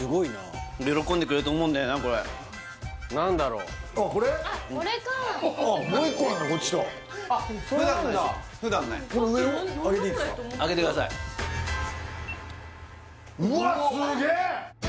うわっすげえ！